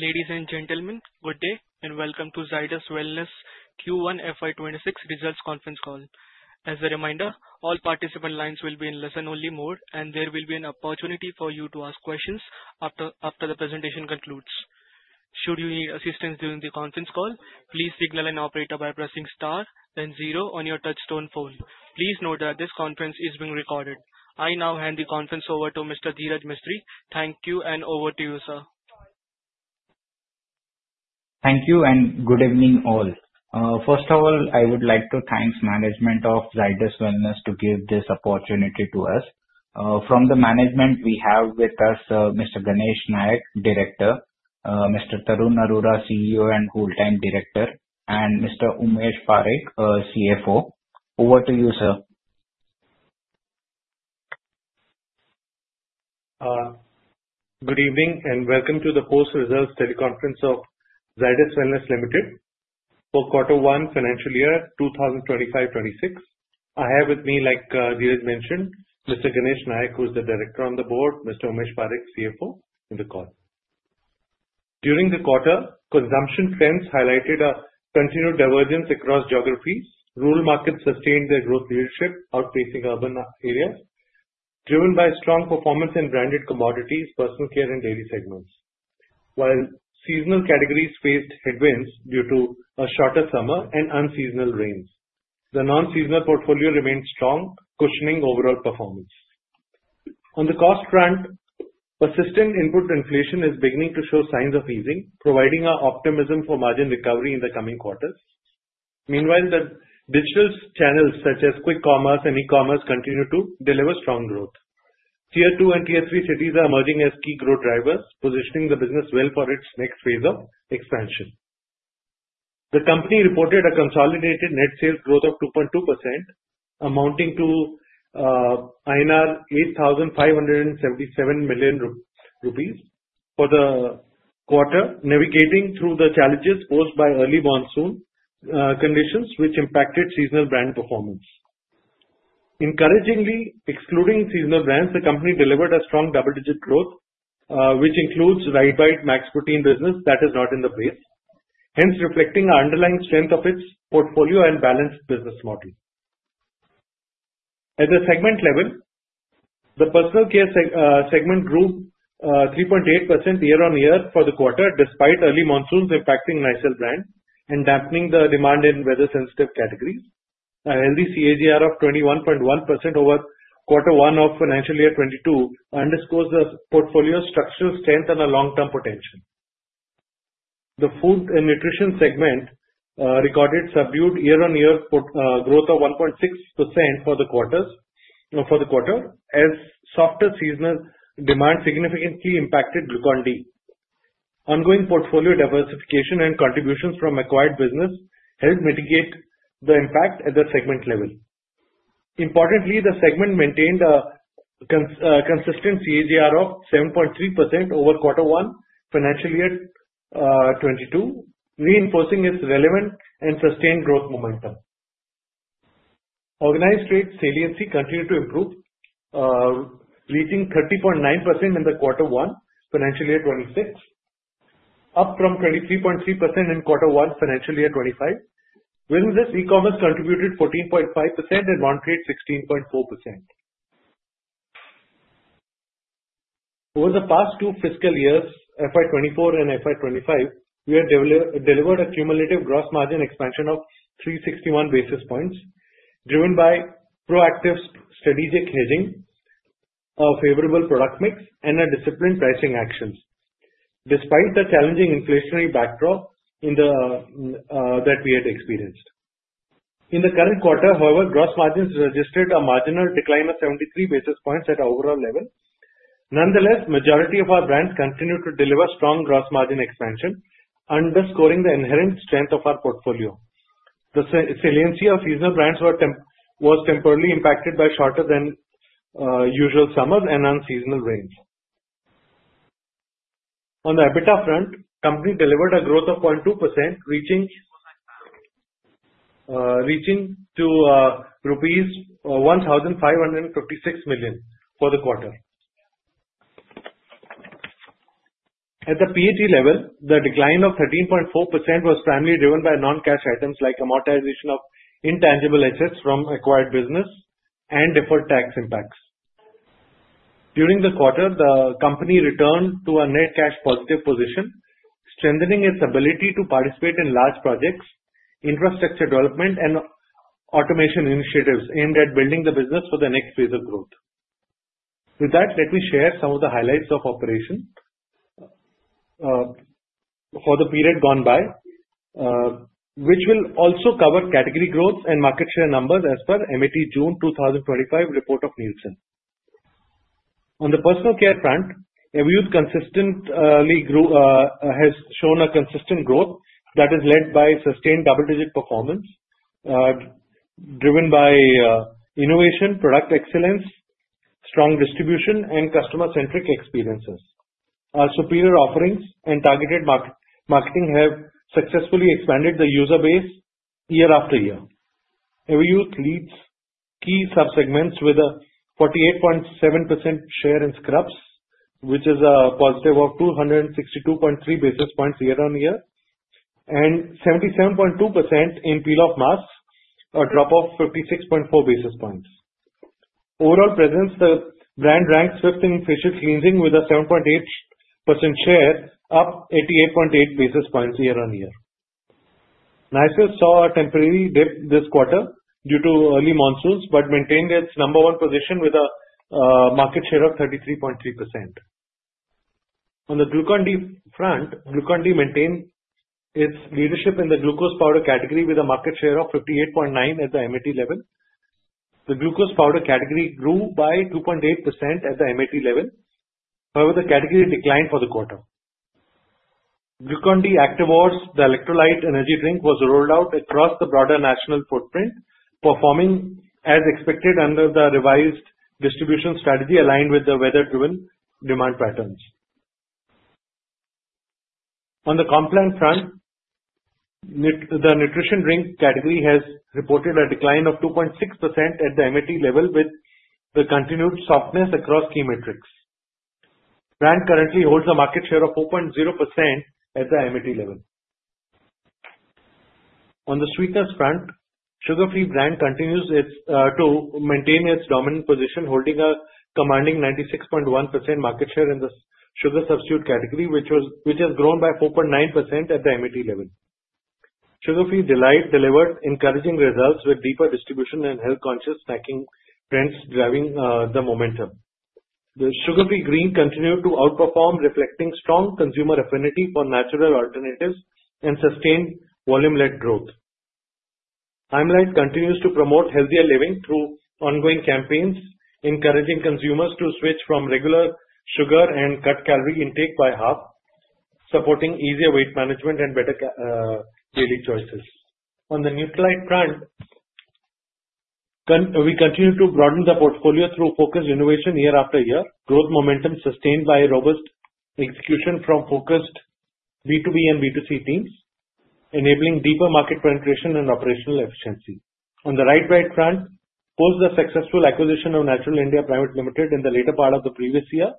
Ladies and gentlemen, good day and welcome to Zydus Wellness Limited Q1 FY26 results conference call. As a reminder, all participant lines will be in listen-only mode, and there will be an opportunity for you to ask questions after the presentation concludes. Should you need assistance during the conference call, please signal an operator by pressing star then zero on your touch-tone phone. Please note that this conference is being recorded. I now hand the conference over to Mr. Dhiraj Mistry. Thank you and over to you, sir. Thank you and good evening all. First of all, I would like to thank the management of Zydus Wellness for giving this opportunity to us. From the management, we have with us Mr. Ganesh Nayak, Director, Mr. Tarun Arora, CEO and Full-time Director, and Mr. Umesh Parikh, CFO. Over to you, sir. Good evening and welcome to the post-results teleconference of Zydus Wellness Limited for Q1 Financial Year 2025-26. I have with me, like Dhiraj mentioned, Mr. Ganesh Nayak, who is the Director on the Board, and Mr. Umesh Parikh, CFO, in the call. During the quarter, consumption trends highlighted a continued divergence across geographies. Rural markets sustained their growth leadership, outpacing urban areas, driven by strong performance in branded commodities, personal care, and dairy segments, while seasonal categories faced headwinds due to a shorter summer and unseasonal rains. The non-seasonal portfolio remains strong, cushioning overall performance. On the cost front, persistent input inflation is beginning to show signs of easing, providing optimism for margin recovery in the coming quarters. Meanwhile, the digital channels such as Quick Commerce and e-commerce continue to deliver strong growth. Tier one and Tier three cities are emerging as key growth drivers, positioning the business well for its next phase of expansion. The company reported a consolidated net sales growth of 2.2%, amounting to 8,577 million rupees for the quarter, navigating through the challenges posed by early monsoon conditions, which impacted seasonal brand performance. Encouragingly, excluding seasonal brands, the company delivered a strong double-digit growth, which includes the Max Protein business that is not in the base, hence reflecting the underlying strength of its portfolio and balanced business model. At the segment level, the personal care segment grew 3.8% year-on-year for the quarter, despite early monsoons impacting Nycil brands and dampening the demand in weather-sensitive categories. A healthy CAGR of 21.1% over Q1 of Financial Year 2022 underscores the portfolio's structural strength and long-term potential. The food and nutrition segment recorded subdued year-on-year growth of 1.6% for the quarter, as softer seasonal demand significantly impacted Glucon-D. Ongoing portfolio diversification and contributions from acquired business helped mitigate the impact at the segment level. Importantly, the segment maintained a consistent CAGR of 7.3% over Q1 financial year 2022, reinforcing its relevant and sustained growth momentum. Organized trade saliency continued to improve, reaching 30.9% in Q1 financial year 2026, up from 23.3% in Q1 Financial Year 2025. Business e-commerce contributed 14.5% and non-trade 16.4%. Over the past two fiscal years, FY 2024 and FY 2025, we have delivered a cumulative gross margin expansion of 361 basis points, driven by proactive strategic hedging, a favorable product mix, and disciplined pricing action, despite the challenging inflationary backdrop that we had experienced. In the current quarter, however, gross margins registered a marginal decline of 73 basis points at an overall level. Nonetheless, the majority of our brands continue to deliver strong gross margin expansion, underscoring the inherent strength of our portfolio. The saliency of seasonal brands was temporarily impacted by shorter than usual summers and unseasonal rains. On the EBITDA front, the company delivered a growth of 0.2%, reaching 1,556 million rupees for the quarter. At the PAT level, the decline of 13.4% was primarily driven by non-cash items like amortization of intangible assets from acquired business and deferred tax impacts. During the quarter, the company returned to a net cash positive position, strengthening its ability to participate in large projects, infrastructure development, and automation initiatives aimed at building the business for the next phase of growth. With that, let me share some of the highlights of operations for the period gone by, which will also cover category growth and market share numbers as per MAT June 2025 report of Nielsen. On the personal care front, Everyuth has consistently shown a consistent growth that is led by sustained double-digit performance, driven by innovation, product excellence, strong distribution, and customer-centric experiences. Our superior offerings and targeted marketing have successfully expanded the user base year after year. Everyuth leads key subsegments with a 48.7% share in scrubs, which is a positive of 262.3 basis points year-on-year, and 77.2% in peel-off masks, a drop of 56.4 basis points. Overall presence, the brand ranks fifth in facial cleansing with a 7.8% share, up 88.8 basis points year-on-year. Nycil saw a temporary dip this quarter due to early monsoons, but maintained its number one position with a market share of 33.3%. On the Glucon-D front, Glucon-D maintained its leadership in the glucose powder category with a market share of 58.9% at the MAT level. The glucose powder category grew by 2.8% at the MAT level, however, the category declined for the quarter. Glucon-D Activors, the electrolyte energy drink, was rolled out across the broader national footprint, performing as expected under the revised distribution strategy, aligned with the weather-driven demand patterns. On the Complan front, the nutrition drink category has reported a decline of 2.6% at the MAT level, with the continued softness across key metrics. The brand currently holds a market share of 4.0% at the MAT level. On the sweetness front, Sugar Free brand continues to maintain its dominant position, holding a commanding 96.1% market share in the sugar substitute category, which has grown by 4.9% at the MAT level. Sugar Free Delight delivered encouraging results with deeper distribution and health-conscious packing trends driving the momentum. The Sugar Free Green continued to outperform, reflecting strong consumer affinity for natural alternatives and sustained volume-led growth. Sugar Free continues to promote healthier living through ongoing campaigns, encouraging consumers to switch from regular sugar and cut calorie intake by half, supporting easier weight management and better daily choices. On the Nutralite front, we continue to broaden the portfolio through focused innovation year after year, growth momentum sustained by robust execution from focused B2B and B2C teams, enabling deeper market penetration and operational efficiency. On the RiteBite front, post the successful acquisition of Naturell India Private Limited in the later part of the previous year,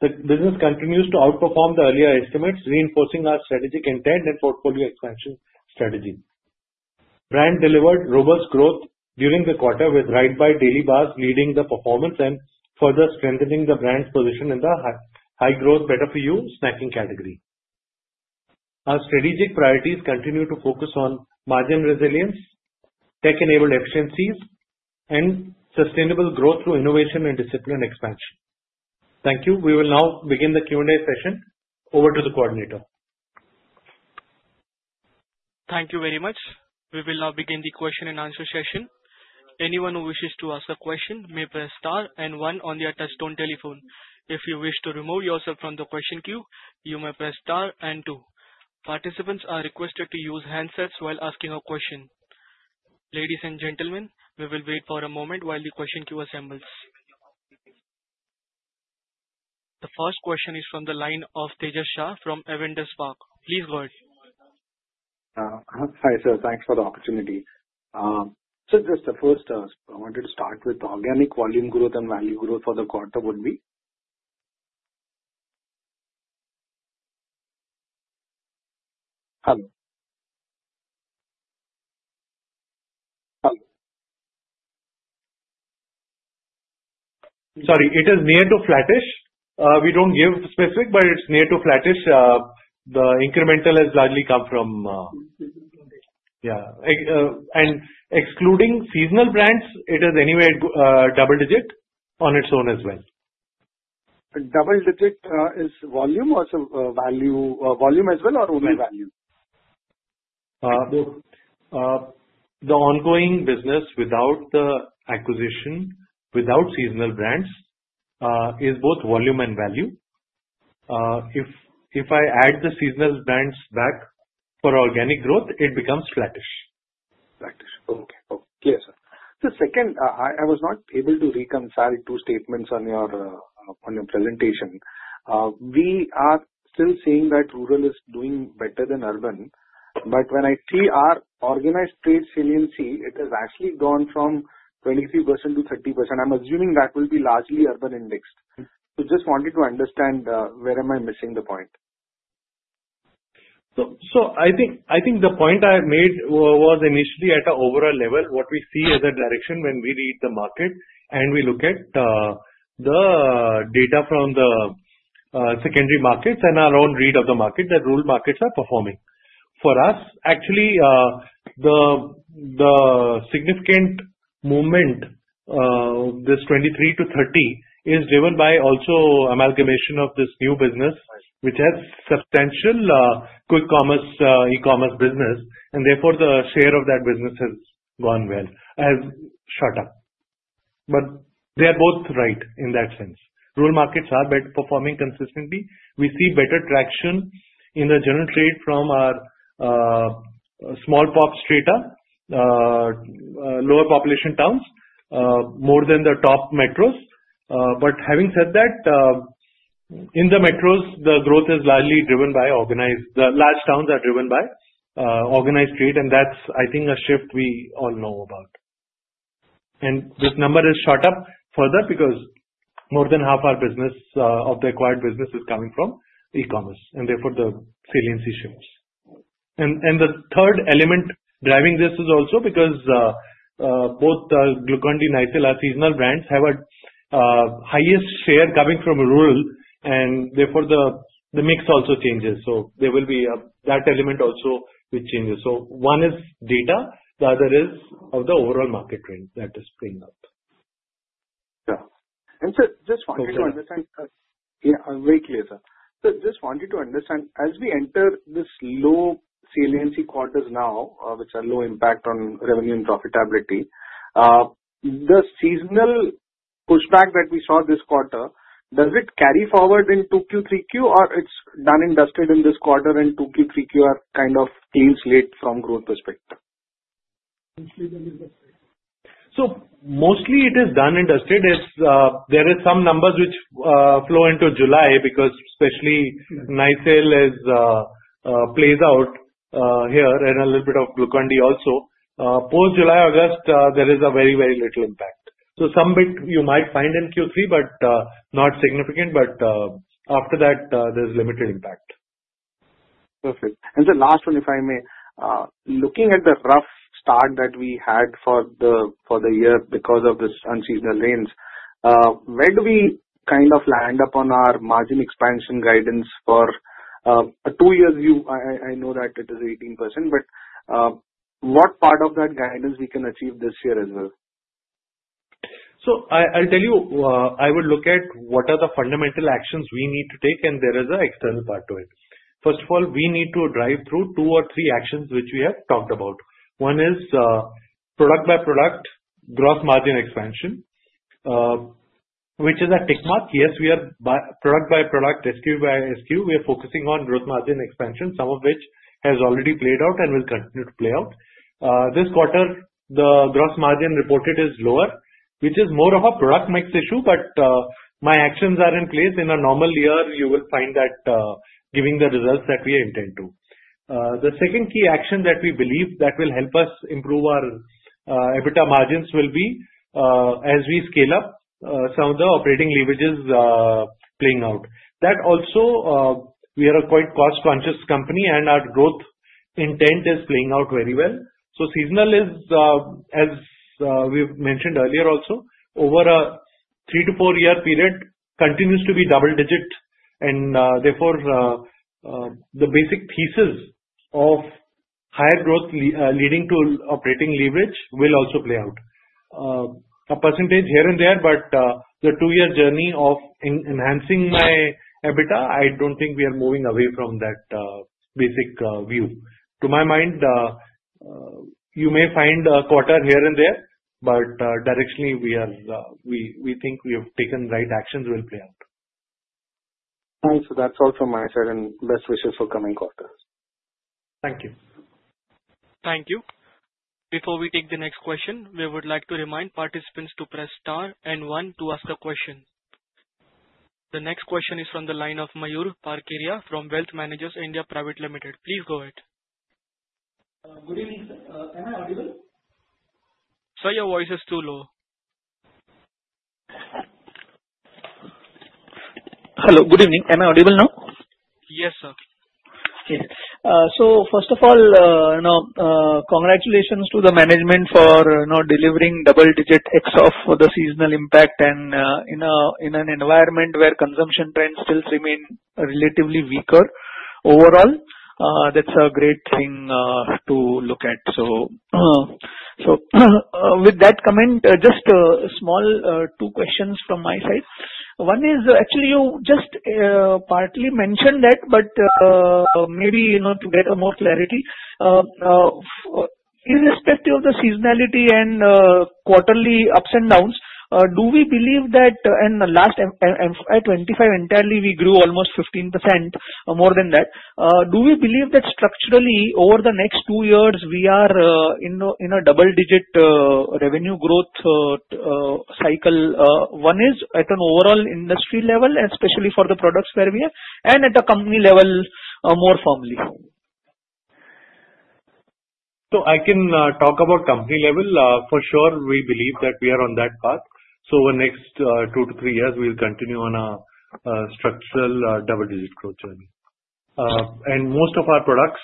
the business continues to outperform the earlier estimates, reinforcing our strategic intent and portfolio expansion strategy. The brand delivered robust growth during the quarter, with RiteBite Daily Bars leading the performance and further strengthening the brand's position in the high-growth, better-for-you snacking category. Our strategic priorities continue to focus on margin resilience, tech-enabled efficiencies, and sustainable growth through innovation and disciplined expansion. Thank you. We will now begin the Q&A session. Over to the coordinator. Thank you very much. We will now begin the question and answer session. Anyone who wishes to ask a question may press star and one on their touch-tone telephone. If you wish to remove yourself from the question queue, you may press star and two. Participants are requested to use handsets while asking a question. Ladies and gentlemen, we will wait for a moment while the question queue assembles. The first question is from the line of Tejas Shah from Avendus Spark. Please go ahead. Hi, sir. Thanks for the opportunity. Sir, just the first, I wanted to start with the organic volume growth and value growth for the quarter would be. Sorry, it is near to flattish. We don't give specific, but it's near to flattish. The incremental has largely come from, yeah, excluding seasonal brands, it is anywhere double-digit on its own as well. Double-digit is volume or value? Volume as well or only value? The ongoing business without the acquisition, without seasonal brands, is both volume and value. If I add the seasonal brands back for organic growth, it becomes flattish. Okay. Okay, sir. The second, I was not able to reconcile two statements on your presentation. We are still saying that rural is doing better than urban, but when I see our organized trade saliency, it has actually gone from 23%-30%. I'm assuming that will be largely urban indexed. Just wanted to understand where am I missing the point? I think the point I made was initially at an overall level, what we see as a direction when we read the market and we look at the data from the secondary markets and our own read of the market that rural markets are performing. For us, actually, the significant movement this 23-30 is driven by also amalgamation of this new business, which has substantial Quick Commerce e-commerce business, and therefore the share of that business has gone well as shot up. They're both right in that sense. Rural markets are better performing consistently. We see better traction in the general trade from our small pop strata, lower population towns, more than the top metros. Having said that, in the metros, the growth is largely driven by organized, the large towns are driven by organized trade, and that's, I think, a shift we all know about. This number has shot up further because more than half our business of the acquired business is coming from e-commerce, and therefore the saliency shows. The third element driving this is also because both Glucon-D and Nycil seasonal brands have a highest share coming from rural, and therefore the mix also changes. There will be that element also which changes. One is data, the other is the overall market trend that is playing out. Yeah, sir, just wanted to understand. I'm very clear, sir. Just wanted to understand, as we enter these low saliency quarters now, which are low impact on revenue and profitability, the seasonal pushback that we saw this quarter, does it carry forward into Q3, or it's done and dusted in this quarter and Q3 are kind of teams late from growth perspective? It is done and dusted. There are some numbers which flow into July because especially Nutralite plays out here and a little bit of Glucon-D also. Post July, August, there is a very, very little impact. Some bit you might find in Q3, not significant. After that, there's limited impact. Perfect. The last one, if I may, looking at the rough start that we had for the year because of this unseasonal rains, where do we kind of land upon our margin expansion guidance for a two-year view? I know that it is 18%, but what part of that guidance we can achieve this year as well? I would look at what are the fundamental actions we need to take, and there is an external part to it. First of all, we need to drive through two or three actions which we have talked about. One is product-by-product gross margin expansion, which is a tick mark. Yes, we are product-by-product, SKU by SKU. We are focusing on gross margin expansion, some of which has already played out and will continue to play out. This quarter, the gross margin reported is lower, which is more of a product mix issue, but my actions are in place. In a normal year, you will find that giving the results that we intend to. The second key action that we believe that will help us improve our EBITDA margins will be as we scale up some of the operating leverages playing out. That also, we are a quite cost-conscious company and our growth intent is playing out very well. Seasonal is, as we've mentioned earlier also, over a three to four-year period continues to be double-digit, and therefore the basic thesis of higher growth leading to operating leverage will also play out. A percentage here and there, but the two-year journey of enhancing my EBITDA I don't think we are moving away from that basic view. To my mind, you may find a quarter here and there, but directionally we think we have taken the right actions will play out. Thanks. That's all from my side, and best wishes for the coming quarter. Thank you. Thank you. Before we take the next question, we would like to remind participants to press star and one to ask a question. The next question is from the line of Mayur Parkeria from Wealth Managers India Private Limited. Please go ahead. Good evening. Can I audio able? Sir, your voice is too low. Hello. Good evening. Am I audible now? Yes, sir. Okay. First of all, congratulations to the management for delivering double-digit growth for the seasonal impact, and in an environment where consumption trends still remain relatively weaker overall, that's a great thing to look at. With that comment, just a small two questions from my side. One is actually you just partly mentioned that, but maybe to get more clarity. Irrespective of the seasonality and quarterly ups and downs, do we believe that in the last FY 2025 entirely we grew almost 15% or more than that? Do we believe that structurally over the next two years we are in a double-digit revenue growth cycle? One is at an overall industry level, especially for the products where we are, and at the company level more formally. I can talk about company level. For sure, we believe that we are on that path. Over the next two to three years, we'll continue on a structural double-digit growth journey, and most of our products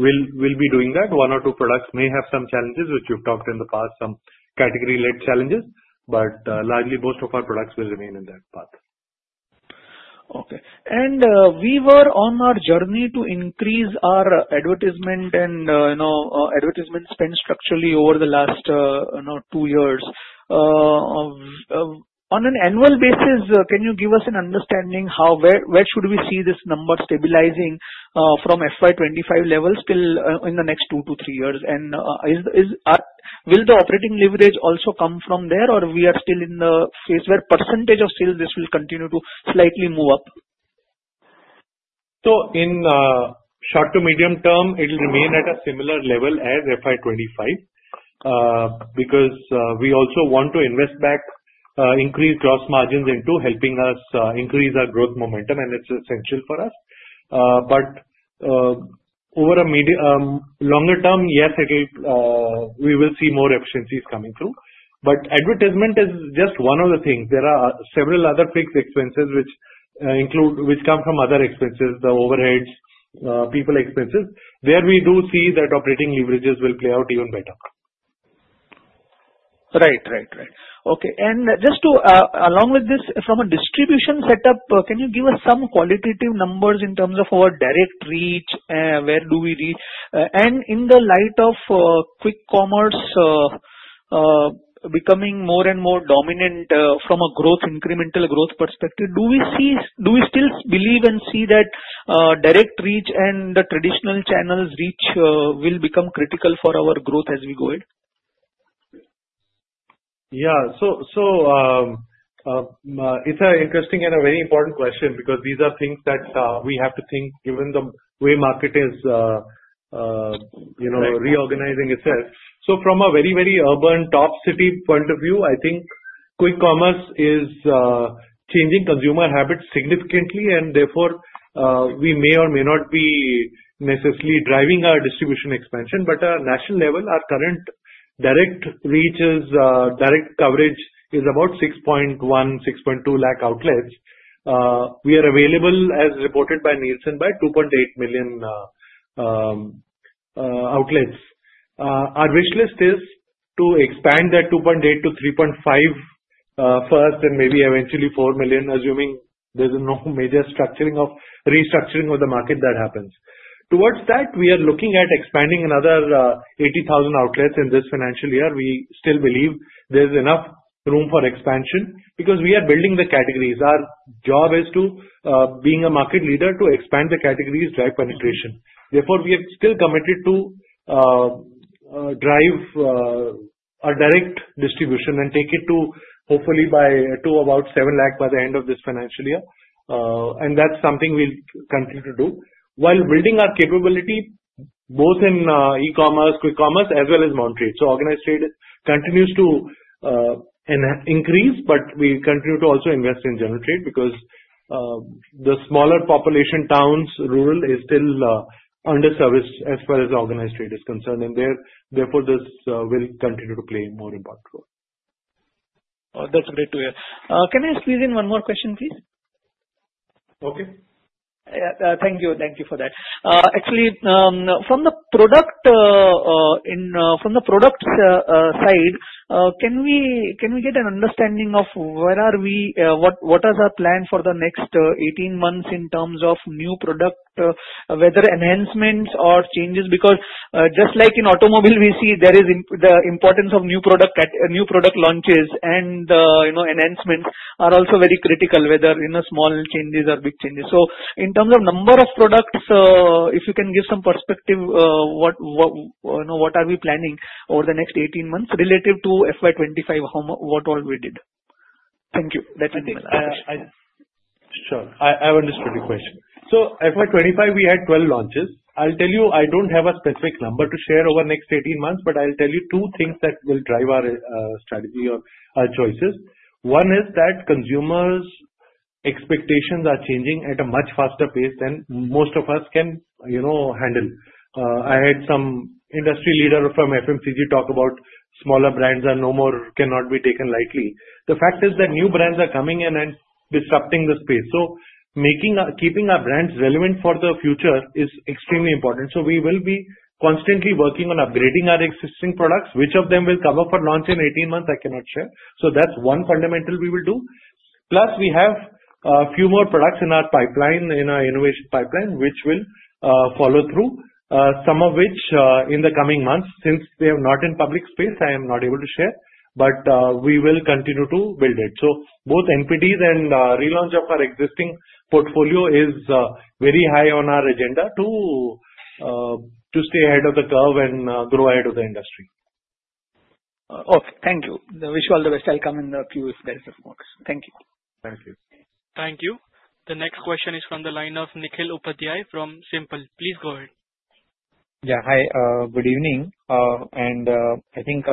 will be doing that. One or two products may have some challenges, which we've talked in the past, some category-led challenges, but largely most of our products will remain in that path. Okay. We were on our journey to increase our advertisement and advertisement spend structurally over the last two years. On an annual basis, can you give us an understanding how where should we see this number stabilizing from FY 2025 levels in the next two to three years? Will the operating leverage also come from there, or are we still in the phase where as a percentage of sales this will continue to slightly move up? In short to medium term, it will remain at a similar level as FY 2025 because we also want to invest back, increase gross margins into helping us increase our growth momentum, and it's essential for us. Over a longer term, yes, we will see more efficiencies coming through. Advertisement is just one of the things. There are several other fixed expenses which come from other expenses, the overheads, people expenses. There we do see that operating leverages will play out even better. Right, right, right. Okay. Just to along with this, from a distribution setup, can you give us some qualitative numbers in terms of our direct reach? Where do we reach? In the light of Quick Commerce becoming more and more dominant from a growth incremental growth perspective, do we see, do we still believe and see that direct reach and the traditional channels reach will become critical for our growth as we go ahead? Yeah. It's an interesting and a very important question because these are things that we have to think given the way market is reorganizing itself. From a very, very urban top city point of view, I think Quick Commerce is changing consumer habits significantly, and therefore we may or may not be necessarily driving our distribution expansion. At a national level, our current direct reach is direct coverage is about 6.1 lakh, 6.2 lakh outlets. We are available, as reported by Nielsen, by 2.8 million outlets. Our wish list is to expand that 2.8-3.5 first and maybe eventually 4 million, assuming there's no major restructuring of the market that happens. Towards that, we are looking at expanding another 80,000 outlets in this financial year. We still believe there's enough room for expansion because we are building the categories. Our job is to, being a market leader, to expand the categories, drive penetration. Therefore, we are still committed to drive our direct distribution and take it to hopefully by about 7 lakh by the end of this financial year. That's something we'll continue to do while building our capability both in e-commerce, Quick Commerce, as well as monetary. Organized trade continues to increase, but we continue to also invest in general trade because the smaller population towns, rural is still underserviced as far as organized trade is concerned. Therefore, this will continue to play a more important role. That's great to hear. Can I squeeze in one more question, please? Okay. Thank you. Thank you for that. Actually, from the product side, can we get an understanding of where are we, what is our plan for the next 18 months in terms of new product, whether enhancements or changes? Because just like in automobile, we see there is the importance of new product launches and enhancements are also very critical, whether in small changes or big changes. In terms of number of products, if you can give some perspective, what are we planning over the next 18 months relative to FY 2025, what all we did? Thank you. Sure. I understood your question. For FY 2025, we had 12 launches. I'll tell you, I don't have a specific number to share over the next 18 months, but I'll tell you two things that will drive our strategy or our choices. One is that consumers' expectations are changing at a much faster pace than most of us can handle. I heard some industry leaders from FMCG talk about smaller brands are no more, cannot be taken lightly. The fact is that new brands are coming in and disrupting the space. Keeping our brands relevant for the future is extremely important. We will be constantly working on upgrading our existing products. Which of them will cover for launch in 18 months, I cannot share. That is one fundamental we will do. Plus, we have a few more products in our pipeline, in our innovation pipeline, which will follow through, some of which in the coming months. Since they are not in public space, I am not able to share, but we will continue to build it. Both NPDs and the relaunch of our existing portfolio is very high on our agenda to stay ahead of the curve and grow ahead of the industry. Okay, thank you. I wish you all the best. I'll come in the queue if there is a focus. Thank you. Thank you. Thank you. The next question is from the line of Nikhil Upadhyay from Simpl. Please go ahead. Yeah. Hi. Good evening. I think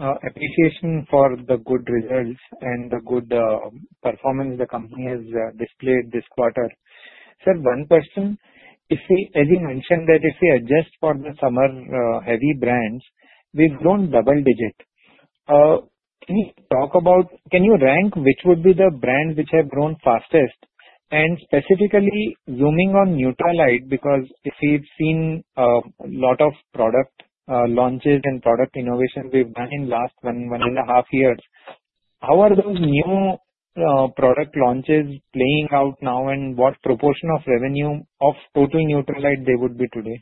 appreciation for the good results and the good performance the company has displayed this quarter. Sir, one question. As you mentioned that if we adjust for the summer heavy brands, we've grown double-digit. Can you talk about, can you rank which would be the brands which have grown fastest? Specifically zooming on Nutralite, because if we've seen a lot of product launches and product innovation we've done in the last one and a half years, how are those new product launches playing out now and what proportion of revenue of total Nutralite they would be today?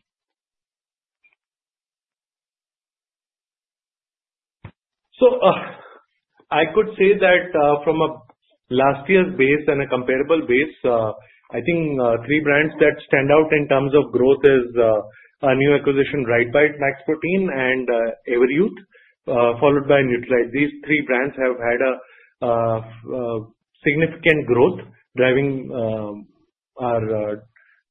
I could say that from a last year's base and a comparable base, I think three brands that stand out in terms of growth are our new acquisition Max Protein and Everyuth, followed by Nutralite. These three brands have had significant growth, driving our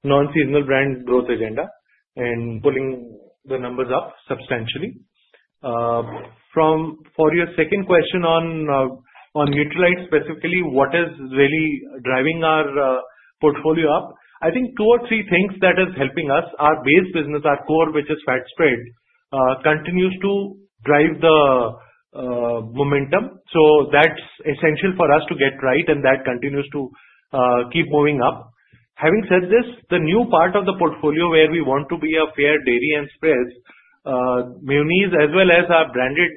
non-seasonal brand growth agenda and pulling the numbers up substantially. For your second question on Nutralite specifically, what is really driving our portfolio up? I think two or three things that are helping us. Our base business, our core, which is fat spread, continues to drive the momentum. That's essential for us to get right, and that continues to keep moving up. Having said this, the new part of the portfolio where we want to be are dairy and spreads, as well as our branded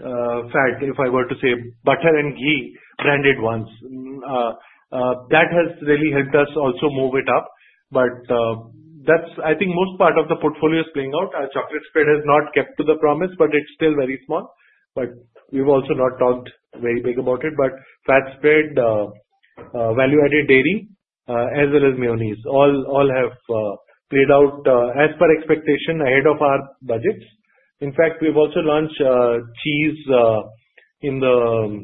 fat, if I were to say, butter and ghee branded ones, that has really helped us also move it up. I think the most part of the portfolio is playing out. Our chocolate spread has not kept to the promise, but it's still very small. We've also not talked very big about it. Fat spread, value-added dairy, as well as mayonnaise, all have played out as per expectation ahead of our budgets. In fact, we've also launched cheese in the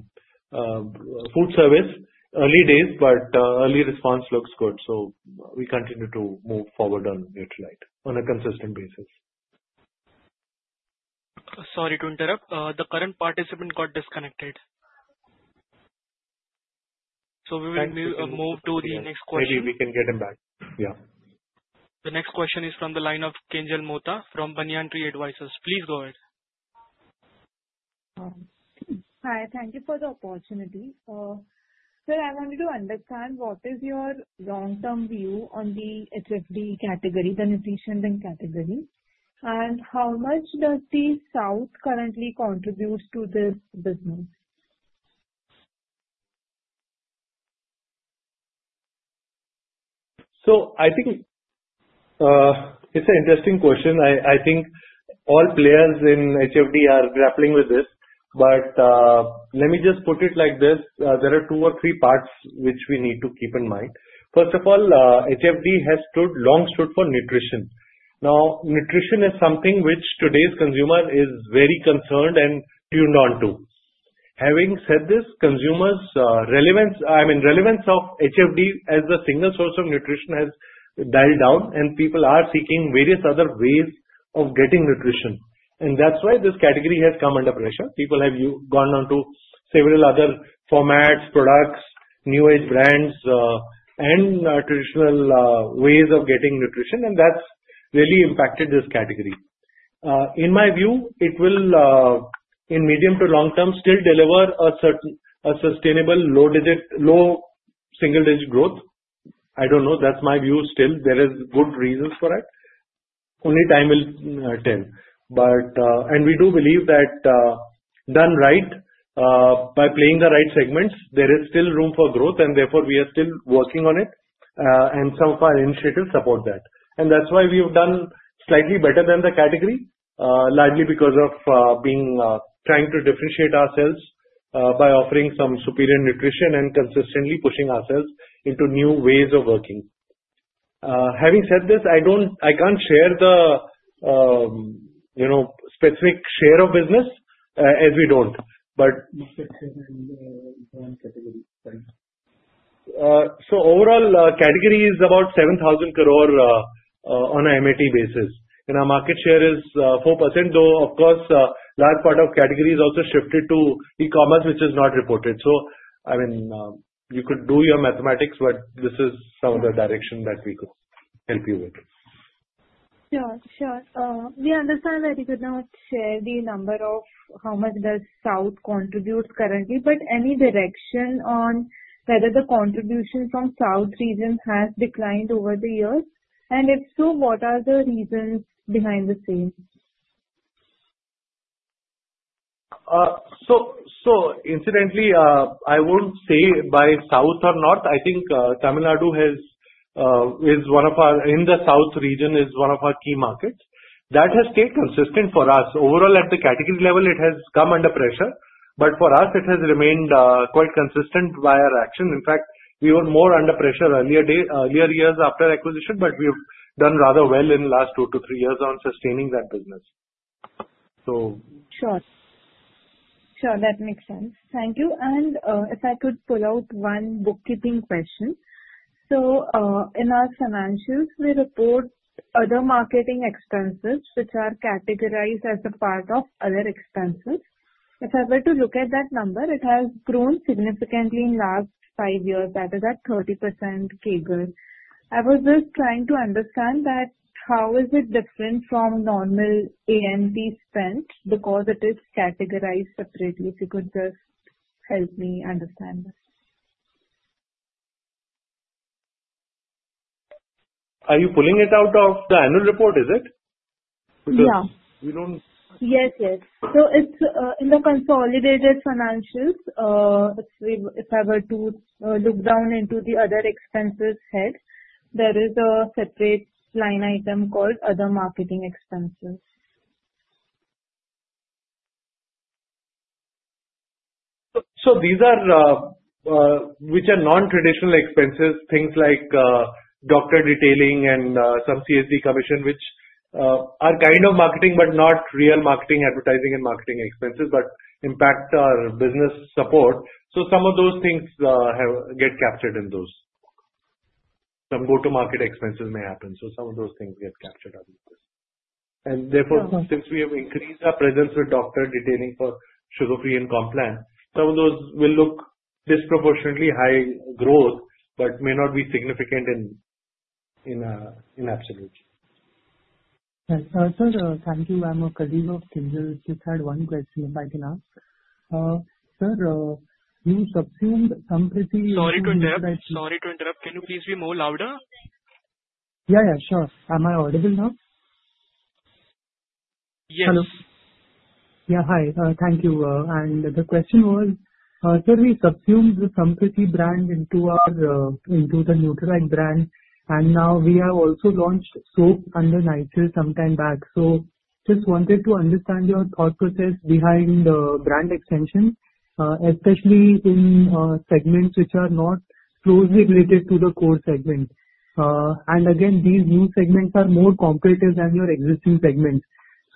food service, early days, but early response looks good. We continue to move forward on Nutralite on a consistent basis. Sorry to interrupt. The current participant got disconnected. We will move to the next question. Maybe we can get him back. Yeah. The next question is from the line of Kinjal Mota from Banyan Tree Advisors. Please go ahead. Hi. Thank you for the opportunity. Sir, I wanted to understand what is your long-term view on the HFD category, the nutrition category, and how much does the South currently contribute to the business? I think it's an interesting question. I think all players in HFD are grappling with this. Let me just put it like this. There are two or three parts which we need to keep in mind. First of all, HFD has stood long for nutrition. Now, nutrition is something which today's consumer is very concerned and tuned on to. Having said this, consumers' relevance, I mean, relevance of HFD as a single source of nutrition has died down, and people are seeking various other ways of getting nutrition. That's why this category has come under pressure. People have gone on to several other formats, products, new age brands, and traditional ways of getting nutrition, and that's really impacted this category. In my view, it will, in medium to long term, still deliver a certain sustainable low single-digit growth. I don't know. That's my view still. There are good reasons for it. Only time will tell. We do believe that done right, by playing the right segments, there is still room for growth, and therefore we are still working on it. Some of our initiatives support that. That's why we've done slightly better than the category, largely because of trying to differentiate ourselves by offering some superior nutrition and consistently pushing ourselves into new ways of working. Having said this, I can't share the specific share of business as we don't, but overall, the category is about 7,000 crore on an MAT basis. Our market share is 4%. Though, of course, a large part of the category has also shifted to e-commerce, which is not reported. You could do your mathematics, but this is some of the direction that we could help you with. Sure. We understand that you could not share the number of how much does South contribute currently, but any direction on whether the contribution from South region has declined over the years? If so, what are the reasons behind the same? I won't say by South or North. I think Tamil Nadu in the South region is one of our key markets. That has stayed consistent for us. Overall, at the category level, it has come under pressure. For us, it has remained quite consistent by our action. In fact, we were more under pressure earlier years after acquisition, but we've done rather well in the last two to three years on sustaining that business. Sure. That makes sense. Thank you. If I could pull out one bookkeeping question. In our financials, we report other marketing expenses, which are categorized as a part of other expenses. If I were to look at that number, it has grown significantly in the last five years. That is at 30% CAGR. I was just trying to understand that. How is it different from a normal A&P spend because it is categorized separately? If you could just help me understand this. Are you pulling it out of the annual report? Is it? Because we don't. Yes, yes. It's in the consolidated financials. If I were to look down into the other expenses head, there is a separate line item called other marketing expenses. These are non-traditional expenses, things like doctor detailing and some CSD commission, which are kind of marketing but not real marketing advertising and marketing expenses, but impact our business support. Some of those things get captured in those. Some go-to-market expenses may happen. Some of those things get captured on this. Therefore, since we have increased our presence with doctor detailing for Sugar Free and Complan, some of those will look disproportionately high growth but may not be significant in absolute. Thank you. I'm a [Khadil of Kinjal]. I just had one question if I can ask. Sir, we subsumed some pretty. Sorry to interrupt. Can you please be more louder? Yeah, sure. Am I audible now? Yes. Hello. Yeah, hi. Thank you. The question was, sir, we subsumed the Sumpriti brand into our Nutralite brand, and now we have also launched soap under Nutralite some time back. I just wanted to understand your thought process behind the brand extension, especially in segments which are not closely related to the core segment. These new segments are more complicated than your existing segments.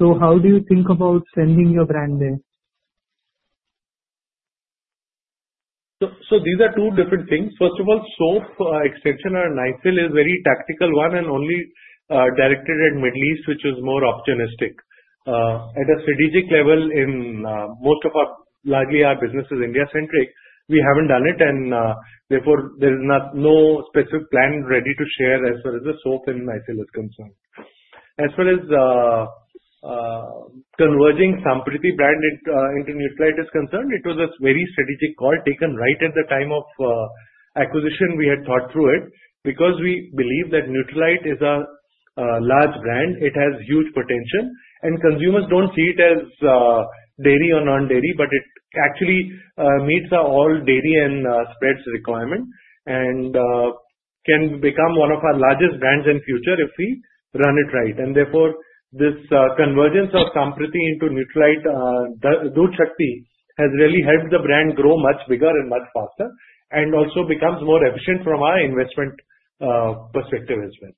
How do you think about sending your brand there? These are two different things. First of all, soap extension or Nycil is a very tactical one and only directed at the Middle East, which is more opportunistic. At a strategic level, most of our business is India-centric. We haven't done it, and therefore, there's no specific plan ready to share as far as the soap and Nycil is concerned. As far as converging Sumpriti brand into Nutralite is concerned, it was a very strategic call taken right at the time of acquisition. We had thought through it because we believe that Nutralite is a large brand. It has huge potential, and consumers don't see it as dairy or non-dairy, but it actually meets all our dairy and spreads requirement and can become one of our largest brands in the future if we run it right. Therefore, this convergence of Sumpriti into Nutralite has really helped the brand grow much bigger and much faster and also becomes more efficient from our investment perspective as well.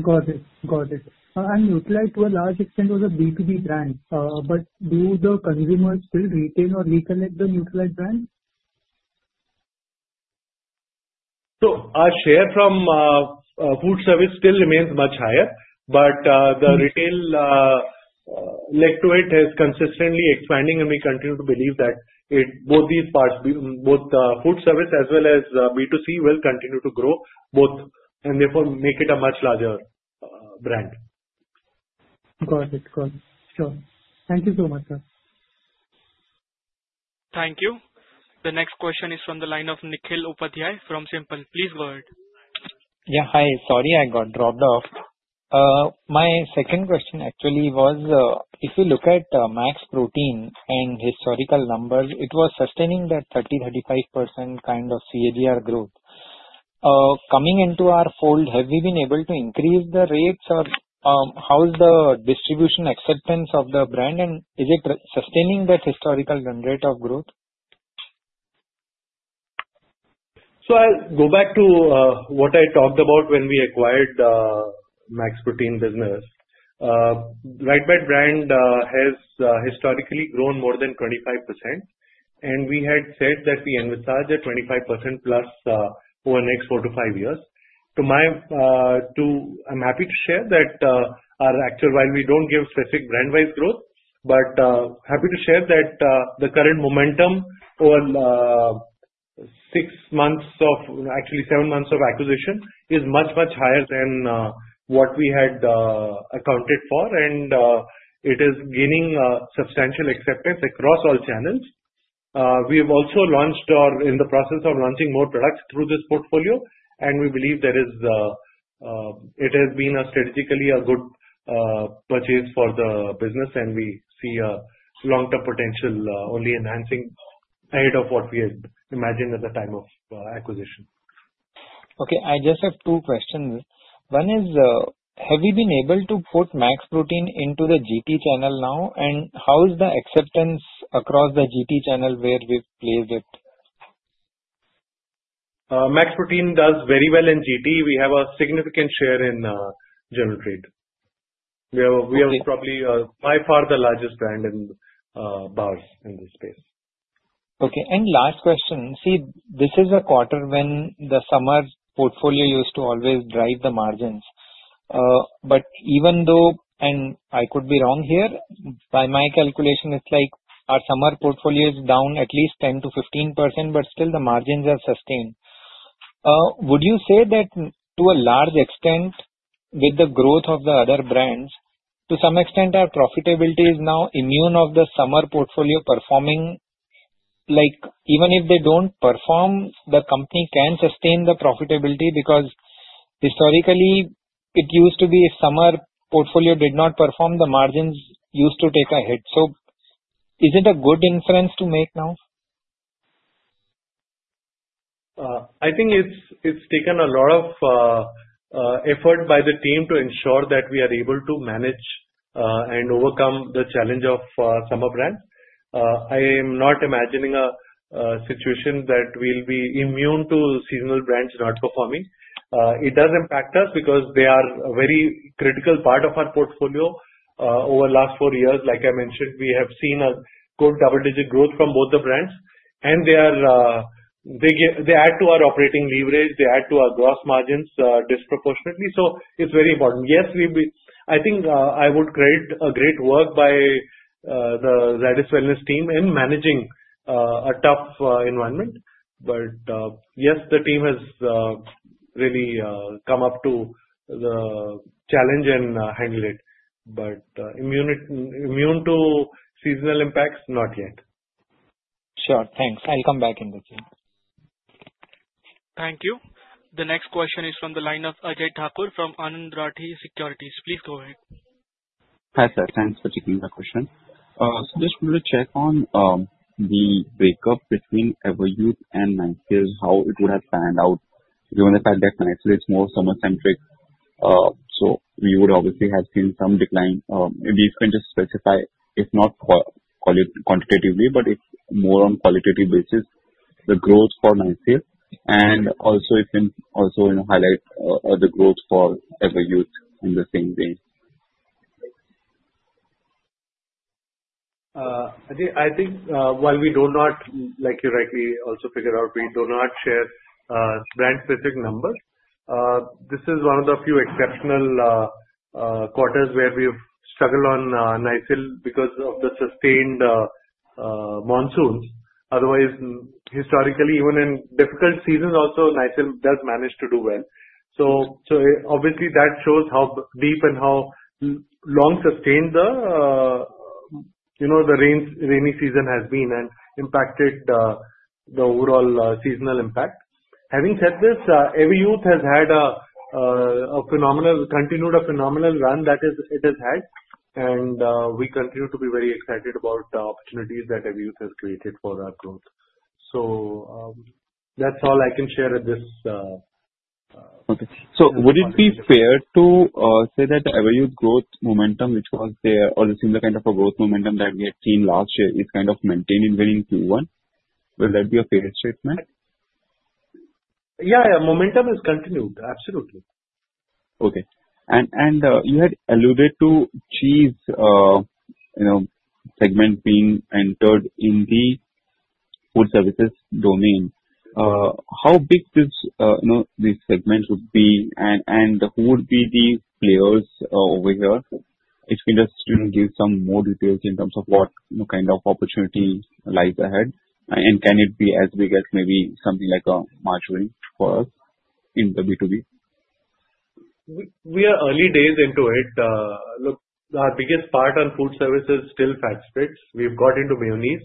Got it. Got it. Nutralite, to a large extent, was a B2B brand. Do you think the consumers still retain or reconnect the Nutralite brand? Our share from food service still remains much higher, but the retail leg to it is consistently expanding, and we continue to believe that both these parts, both food service as well as B2C, will continue to grow both and therefore make it a much larger brand. Got it. Got it. Sure, thank you so much. Thank you. The next question is from the line of Nikhil Upadhyay from SIMPL. Please go ahead. Yeah, hi. Sorry, I got dropped off. My second question actually was, if you look at Max Protein and historical numbers, it was sustaining that 30%-35% kind of CAGR growth. Coming into our fold, have we been able to increase the rates, or how is the distribution acceptance of the brand, and is it sustaining that historical rate of growth? I'll go back to what I talked about when we acquired the Max Protein business. RiteBite brand has historically grown more than 25%, and we had said that we envisage a 25%+ over the next four to five years. I'm happy to share that our actual, while we don't give specific brand-wise growth, but happy to share that the current momentum over six months of, actually, seven months of acquisition is much, much higher than what we had accounted for, and it is gaining substantial acceptance across all channels. We have also launched or are in the process of launching more products through this portfolio, and we believe that it has been strategically a good purchase for the business, and we see a long-term potential only enhancing ahead of what we had imagined at the time of acquisition. Okay. I just have two questions. One is, have we been able to put Max Protein into the GT channel now, and how is the acceptance across the GT channel where we've played with? Max Protein does very well in GT. We have a significant share in general trade. We have probably by far the largest brand in bars in this space. Okay. Last question. This is a quarter when the summer portfolio used to always drive the margins. Even though, and I could be wrong here, by my calculation, it's like our summer portfolio is down at least 10%-15%, but still the margins are sustained. Would you say that to a large extent, with the growth of the other brands, to some extent, our profitability is now immune to the summer portfolio performing? Like even if they don't perform, the company can sustain the profitability because historically, if the summer portfolio did not perform, the margins used to take a hit. Is it a good inference to make now? I think it's taken a lot of effort by the team to ensure that we are able to manage and overcome the challenge of summer brands. I am not imagining a situation that we'll be immune to seasonal brands not performing. It does impact us because they are a very critical part of our portfolio. Over the last four years, like I mentioned, we have seen a good double-digit growth from both the brands, and they add to our operating leverage. They add to our gross margins disproportionately. It is very important. Yes, I think I would credit a great work by the Zydus Wellness team in managing a tough environment. The team has really come up to the challenge and handled it. Immune to seasonal impacts, not yet. Sure. Thanks. I'll come back in the team. Thank you. The next question is from the line of Ajay Thakur from Anand Rathi Securities. Please go ahead. Hi, sir. Thanks for taking the question. I just wanted to check on the breakup between Everyuth and Nycil and how it would have panned out during the pandemic. It's more summer-centric. We would obviously have seen some decline. If you can just specify, if not quantitatively, but if more on a qualitative basis, the growth for Nycil and also if you can also highlight the growth for Everyuth in the same way. I think while we do not, like you rightly also figured out, we do not share brand-specific numbers. This is one of the few exceptional quarters where we've struggled on Nycil because of the sustained monsoons. Otherwise, historically, even in difficult seasons, also Nycil does manage to do well. Obviously, that shows how deep and how long sustained the rainy season has been and impacted the overall seasonal impact. Having said this, Everyuth has had a phenomenal continued run that it has had, and we continue to be very excited about the opportunities that Everyuth has created for our growth. That's all I can share at this. Okay. Would it be fair to say that Everyuth growth momentum, which was there, or the similar kind of a growth momentum that we had seen last year, is kind of maintained in going Q1? Would that be a fair statement? Yeah, yeah. Momentum has continued. Absolutely. Okay. You had alluded to cheese segment being entered in the food services domain. How big this segment would be and who would be the players over here? If you could just give some more details in terms of what kind of opportunity lies ahead, and can it be as big as maybe something like a margarine for us in the B2B? We are early days into it. Look, our biggest part on food services is still fat spreads. We've got into mayonnaise.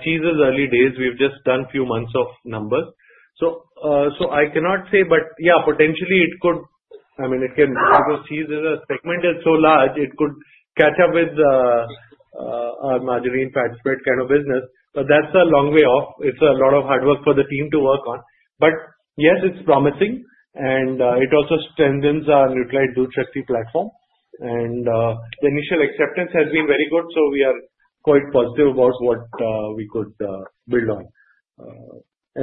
Cheese is early days. We've just done a few months of numbers. I cannot say, but yeah, potentially it could, I mean, it can because cheese is a segment that's so large, it could catch up with our margarine fat spread kind of business. That's a long way off. It's a lot of hard work for the team to work on. Yes, it's promising, and it also strengthens our Nutralite [Dairy] platform. The initial acceptance has been very good. We are quite positive about what we could build on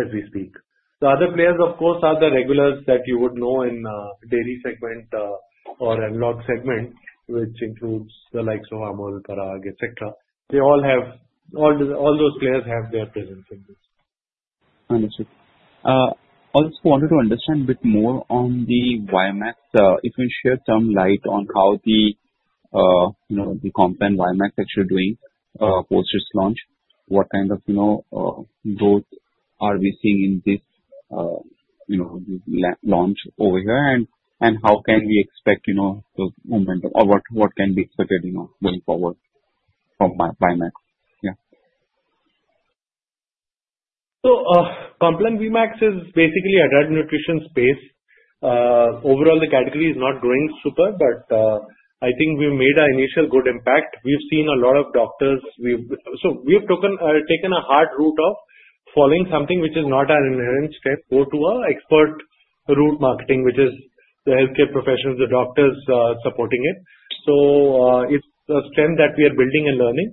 as we speak. The other players, of course, are the regulars that you would know in the dairy segment or analog segment, which includes the likes of Amul, Parag, etc. They all have, all those players have their presence in this. Understood. I also wanted to understand a bit more on the VieMAX. If you can share some light on how the Complan and VieMAX that you're doing post its launch, what kind of growth are we seeing in this launch over here, and how can we expect the momentum or what can be expected going forward from VieMAX? Complan VieMAX is basically a drug nutrition space. Overall, the category is not growing super, but I think we've made our initial good impact. We've seen a lot of doctors. We've taken a hard route of following something which is not our inherent step, go to our expert route marketing, which is the healthcare professionals, the doctors supporting it. It's a strength that we are building and learning.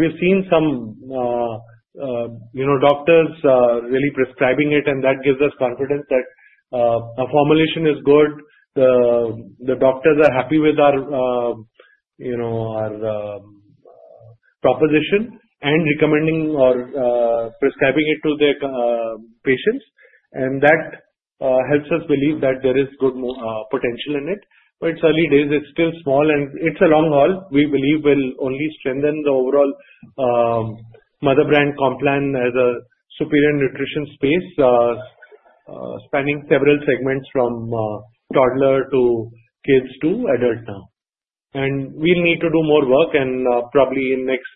We've seen some doctors really prescribing it, and that gives us confidence that our formulation is good. The doctors are happy with our proposition and recommending or prescribing it to their patients. That helps us believe that there is good potential in it. It's early days. It's still small, and it's a long haul. We believe we'll only strengthen the overall mother brand Complan as a superior nutrition space, spanning several segments from toddler to kids to adults now. We'll need to do more work, and probably in the next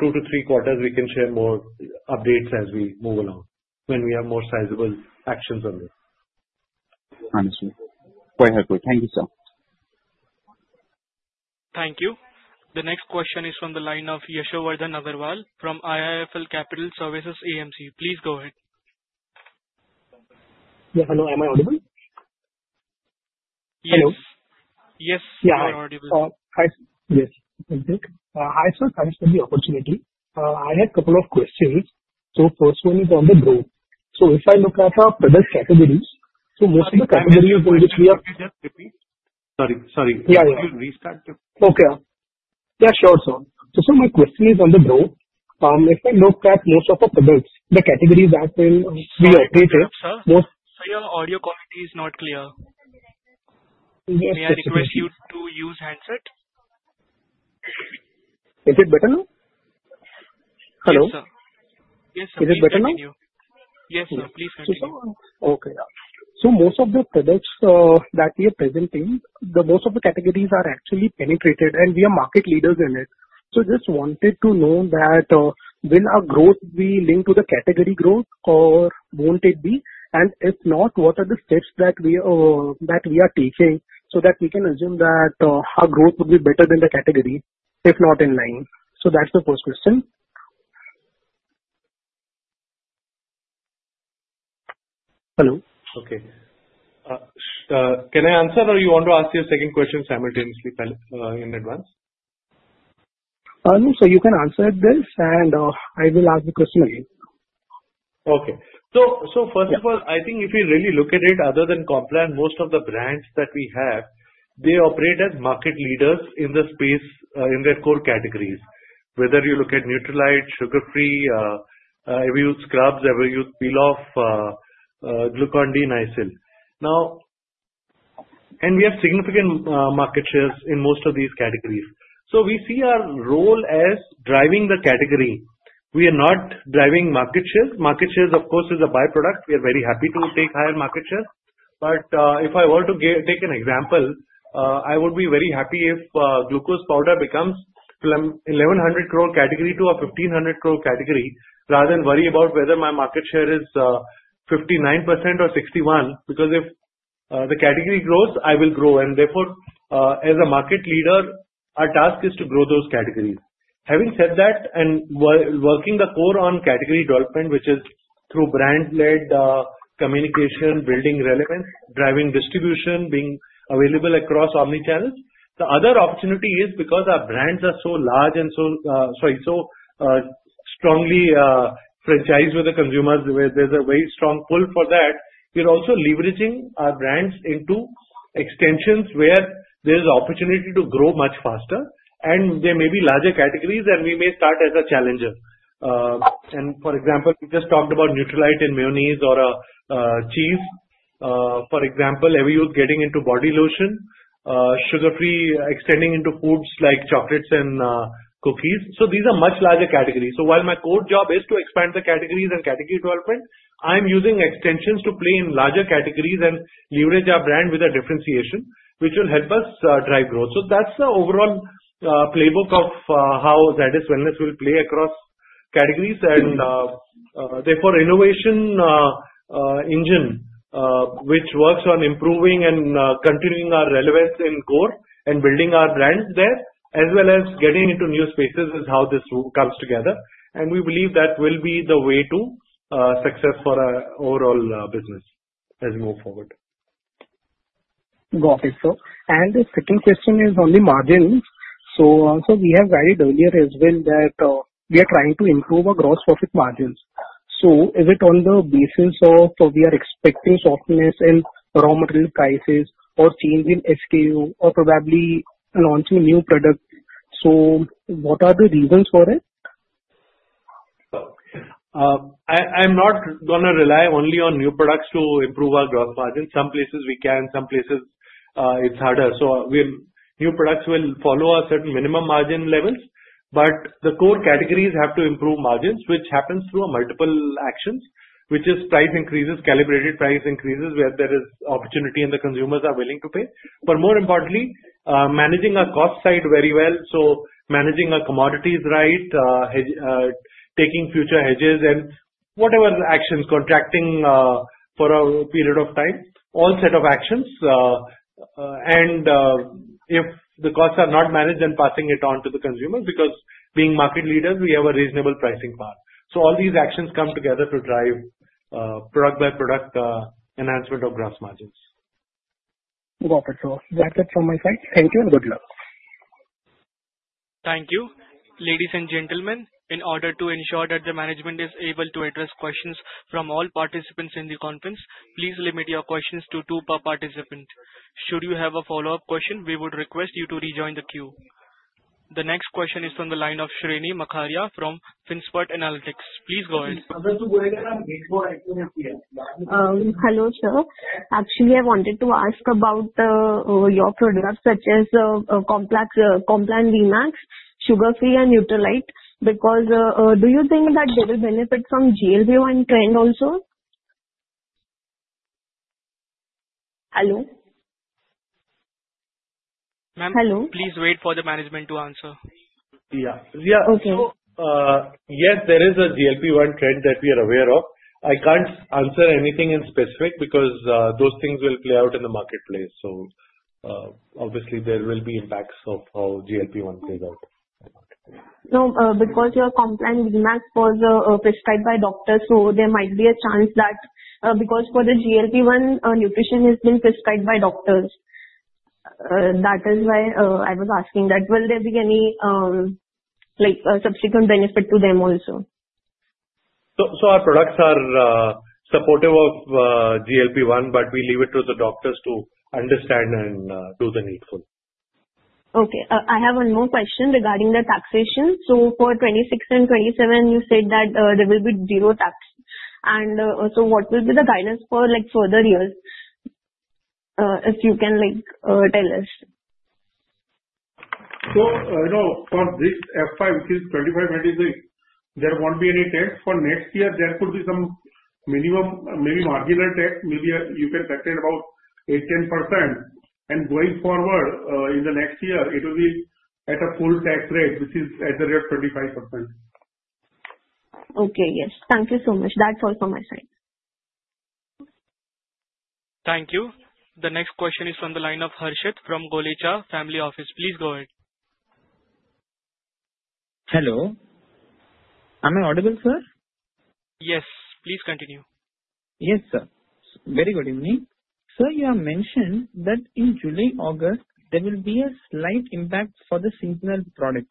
two to three quarters, we can share more updates as we move along when we have more sizable actions on this. Understood. Go ahead, please. Thank you, sir. Thank you. The next question is from the line of Yashowardhan Agarwal from IIFL Capital Services AMC. Please go ahead. Hello. Am I audible? Yes. Hi. Yes. I'm sorry. I actually understand the opportunity. I had a couple of questions. First one is on the growth. If I look at the product categories, most of the categories. You just repeat? Sorry. Sorry. Yeah, yeah. Can you restart? Okay. Yeah. Sure, sir. My question is on the growth. If I looked at most of the products, the categories are still. Sorry, your audio quality is not clear. Yes, sir. We are requesting you to use a headset. Is it better now? Hello. Is it better now? Yes, sir. Please continue. Okay. Most of the products that we are presenting, most of the categories are actually penetrated, and we are market leaders in it. I just wanted to know, will our growth be linked to the category growth, or won't it be? If not, what are the steps that we are taking so that we can assume that our growth would be better than the category, if not in line? That's the first question. Hello? Okay. Can I answer, or do you want to ask your second question simultaneously in advance? No, sir, you can answer this, and I will ask the question again. Okay. First of all, I think if you really look at it, other than Complan, most of the brands that we have operate as market leaders in the space in their core categories, whether you look at Nutralite, Sugar Free, Everyuth Scrubs, Everyuth Peel Off, Glucon-D, Nycil. We have significant market shares in most of these categories. We see our role as driving the category. We are not driving market share. Market share, of course, is a byproduct. We are very happy to take higher market share. If I were to take an example, I would be very happy if glucose powder becomes an 1,100 crore category or 1,500 crore category rather than worry about whether my market share is 59% or 61%. If the category grows, I will grow. Therefore, as a market leader, our task is to grow those categories. Having said that, and working the core on category development, which is through brand-led communication, building relevance, driving distribution, being available across omnichannels, the other opportunity is because our brands are so large and so strongly franchised with the consumers, where there's a very strong pull for that. We're also leveraging our brands into extensions where there's opportunity to grow much faster. There may be larger categories, and we may start as a challenger. For example, we just talked about Nutralite and mayonnaise or a cheese. For example, Everyuth getting into body lotion, Sugar Free extending into foods like chocolates and cookies. These are much larger categories. While my core job is to expand the categories and category development, I'm using extensions to play in larger categories and leverage our brand with a differentiation, which will help us drive growth. That's the overall playbook of how Zydus Wellness will play across categories. Therefore, the innovation engine which works on improving and continuing our relevance in core and building our brand there, as well as getting into new spaces, is how this comes together. We believe that will be the way to success for our overall business as we move forward. Got it, sir. The second question is only margins. We have added earlier as well that we are trying to improve our gross profit margins. Is it on the basis of expecting sharpness in raw material prices or change in SKU or probably launching a new product? What are the reasons for it? I'm not going to rely only on new products to improve our gross margins. Some places we can, some places it's harder. New products will follow a certain minimum margin levels, but the core categories have to improve margins, which happens through multiple actions, which is price increases, calibrated price increases where there is opportunity and the consumers are willing to pay. More importantly, managing our cost side very well, managing our commodities right, taking future hedges, and whatever actions, contracting for a period of time, all set of actions. If the costs are not managed, then passing it on to the consumers because being market leaders, we have a reasonable pricing power. All these actions come together to drive product-by-product enhancement of gross margins. Got it, sir. That's it from my side. Thank you and good luck. Thank you. Ladies and gentlemen, in order to ensure that the management is able to address questions from all participants in the conference, please limit your questions to two per participant. Should you have a follow-up question, we would request you to rejoin the queue. The next question is from the line of Shrini Makarya from Finspot Analytics. Please go ahead. Hello, sir. Actually, I wanted to ask about your products such as Complan VieMAX, Sugar Free, and Nutralite because do you think that they will benefit from GLP-1 trend also? Hello? Ma'am, please wait for the management to answer. Yes, there is a GLP-1 trend that we are aware of. I can't answer anything in specific because those things will play out in the marketplace. Obviously, there will be impacts of how GLP-1 plays out. No, because your Complan VieMAX was prescribed by doctors, so there might be a chance that because for the GLP-1, nutrition has been prescribed by doctors. That is why I was asking that. Will there be any subsequent benefit to them also? Our products are supportive of GLP-1, but we leave it to the doctors to understand and do the needful. Okay. I have one more question regarding the taxation. For 2026 and 2027, you said that there will be zero tax. What will be the guidance for further years if you can tell us? On this FY, which is 2025-2026, there won't be any tax. For next year, there could be some minimum, maybe marginal tax. Maybe you can set in about 8%-10%. Going forward in the next year, it will be at a full tax rate, which is at the rate of 25%. Okay. Yes, thank you so much. That's all from my side. Thank you. The next question is from the line of Harshit from Golicha Family Office.Please go ahead. Hello. Am I audible, sir? Yes, please continue. Yes, sir. Very good evening. Sir, you have mentioned that in July, August, there will be a slight impact for the seasonal product.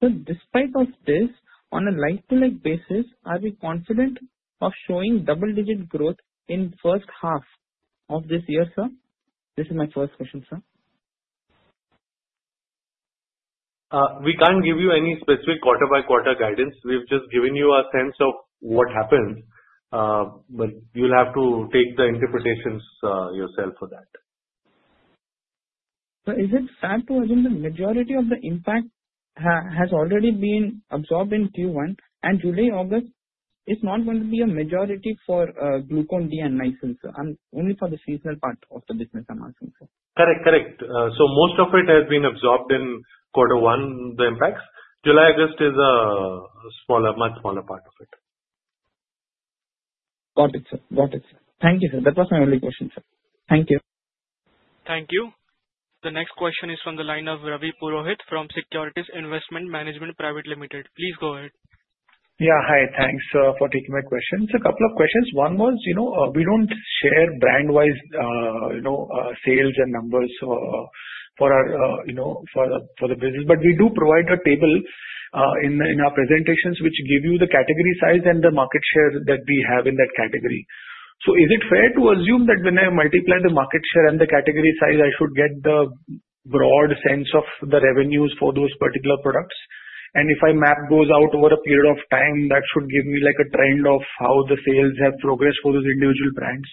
Despite this, on a like-to-like basis, are we confident of showing double-digit growth in the first half of this year, sir? This is my first question, sir. We can't give you any specific quarter-by-quarter guidance. We've just given you a sense of what happened. You'll have to take the interpretations yourself for that. Is it fair to assume the majority of the impact has already been absorbed in Q1? July, August is not going to be a majority for Glucon-D and Nutralite, sir, only for the seasonal part of the business, I'm asking, sir? Correct. Correct. Most of it has been absorbed in quarter one, the impacts. July, August is a much smaller part of it. Got it, sir. Thank you, sir. That was my only question, sir. Thank you. Thank you. The next question is from the line of Ravi Purohit from Securities Investment Management Private Limited. Please go ahead. Yeah. Hi. Thanks for taking my question. It's a couple of questions. One was, you know, we don't share brand-wise, you know, sales and numbers for our, you know, for the business, but we do provide a table in our presentations which give you the category size and the market share that we have in that category. Is it fair to assume that when I multiply the market share and the category size, I should get the broad sense of the revenues for those particular products? If I map those out over a period of time, that should give me like a trend of how the sales have progressed for those individual brands.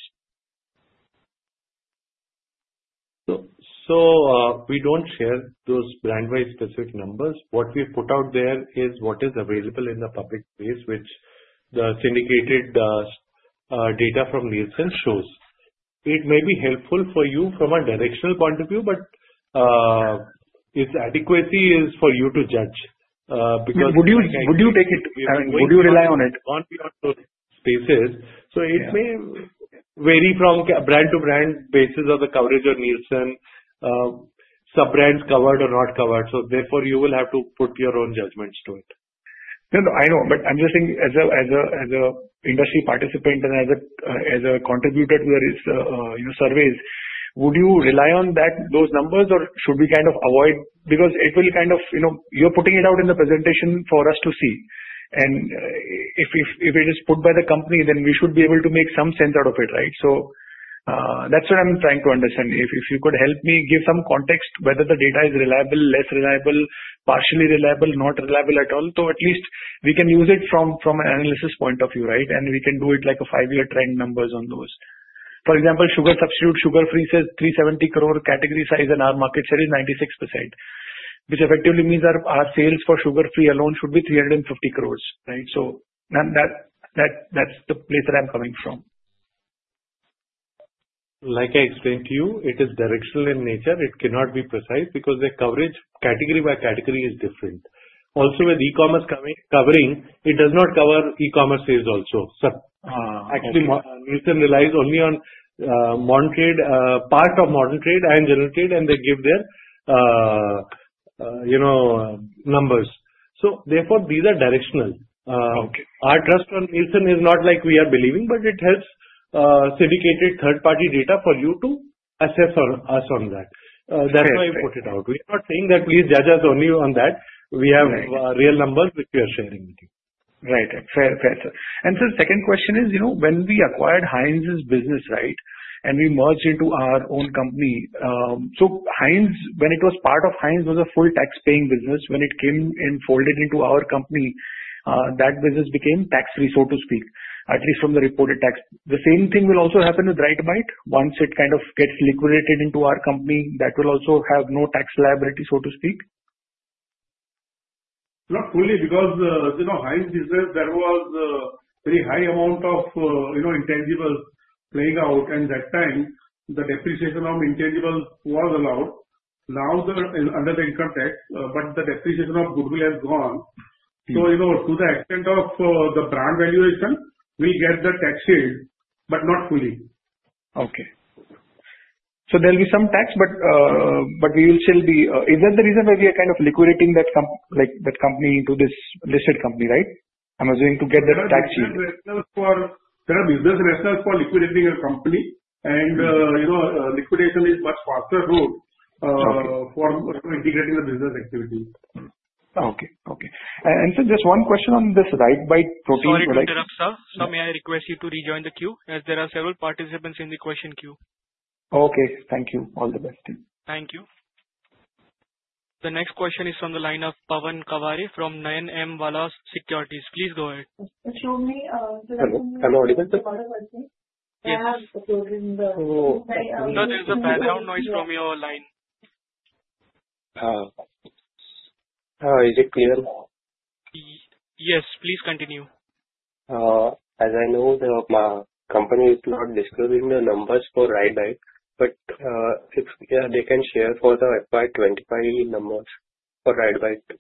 We don't share those brand-wise specific numbers. What we've put out there is what is available in the public space, which the syndicated data from Nielsen shows. It may be helpful for you from a directional point of view, but its adequacy is for you to judge because. Would you take it? Would you rely on it? It may vary from brand to brand based on the coverage or Nielsen, sub-brands covered or not covered. Therefore, you will have to put your own judgments to it. I know, but I'm just saying as an industry participant and as a contributor to various surveys, would you rely on those numbers or should we kind of avoid? Because it will, you know, you're putting it out in the presentation for us to see. If it is put by the company, then we should be able to make some sense out of it, right? That's what I'm trying to understand. If you could help me give some context whether the data is reliable, less reliable, partially reliable, not reliable at all, so at least we can use it from an analysis point of view, right? We can do it like a five-year trend numbers on those. For example, Sugar Free says 370 crore category size, and our market share is 96%, which effectively means our sales for Sugar Free alone should be 350 crore, right? That's the place that I'm coming from. Like I explained to you, it is directional in nature. It cannot be precise because the coverage category by category is different. Also, with e-commerce, it does not cover e-commerce sales. Actually, Nielsen relies only on modern trade, part of modern trade and general trade, and they give their numbers. Therefore, these are directional. Our trust on Nielsen is not like we are believing, but it helps syndicated third-party data for you to assess us on that. That's why we put it out. We are not saying that you judge us only on that. We have real numbers which we are sharing with you. Right. Fair, sir. The second question is, you know, when we acquired Heinz's business, and we merged into our own company, Heinz, when it was part of Heinz, was a full tax-paying business. When it came and folded into our company, that business became tax-free, so to speak, at least from the reported tax. The same thing will also happen with RiteBite once it kind of gets liquidated into our company. That will also have no tax liability, so to speak. Not fully because the Heinz business, there was a very high amount of intangibles playing out. At that time, the depreciation of intangibles was allowed. Now, under the income tax, the depreciation of goodwill has gone. To the extent of the brand valuation, we get the tax share, but not fully. Okay. There'll be some tax, but we will still be—is that the reason why we are kind of liquidating that company into this listed company, right? I'm assuming to get the tax share. There are business reasons for liquidating a company, and you know, liquidation is a much faster route for integrating the business activity. Okay. Okay. Sir, just one question on this Max Protein. Sorry to interrupt, sir. May I request you to rejoin the queue, as there are several participants in the question queue? Okay. Thank you. All the best. Thank you. The next question is from the line of Pawan Kavari from 9M Wallace Securities. Please go ahead. Is the background noise from your line? Is it clear? Yes, please continue. As I know, the company is not distributing the numbers for RiteBite, but if they can share for the acquired 25 numbers for RiteBite.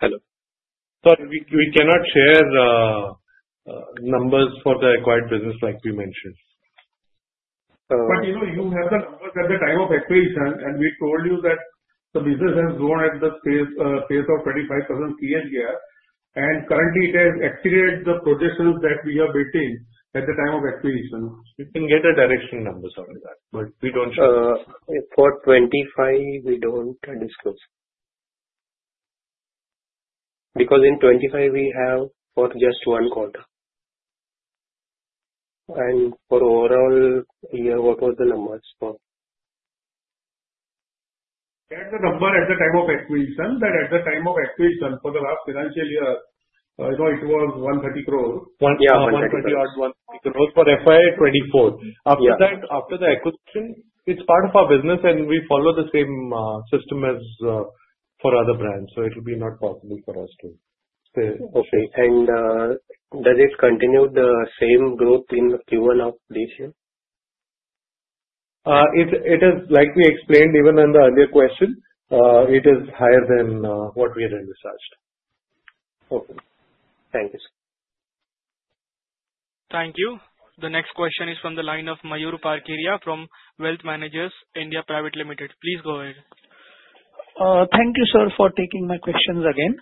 Sorry. We cannot share numbers for the acquired business like we mentioned. You have the numbers at the time of acquisition, and we told you that the business has grown at the pace of 25% year-to-year. Currently, it has exceeded the projected sales that we have retained at the time of acquisition. We can get the directional numbers on that, but we don't. For 2025, we don't disclose. Because in 2025, we have for just one quarter. For overall year, what was the numbers for? That's the number at the time of expiration. At the time of expiration for the last financial year, it was 130 crore. Yeah, 130 crore for FY 2024. After that, after the acquisition, it's part of our business, and we follow the same system as for other brands. It will be not possible for us to say. Okay. Does it continue the same growth in Q1 of this year? It is, like we explained even in the earlier question, it is higher than what we had initially. Okay. Thanks. Thank you. The next question is from the line of Mayur Parkeria from Wealth Managers India Private Limited. Please go ahead. Thank you, sir, for taking my questions again.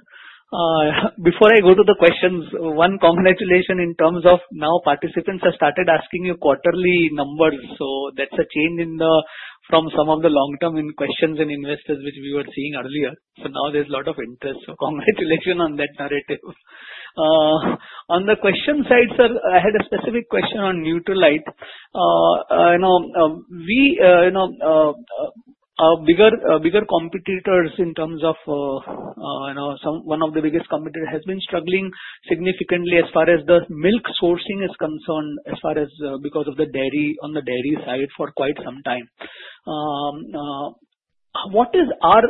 Before I go to the questions, one, congratulations in terms of now participants have started asking you quarterly numbers. That's a change from some of the long-term questions and investors which we were seeing earlier. Now there's a lot of interest. Congratulations on that narrative. On the question side, sir, I had a specific question on Nutralite. We are bigger competitors in terms of one of the biggest competitors has been struggling significantly as far as the milk sourcing is concerned, as far as because of the dairy on the dairy side for quite some time. What is our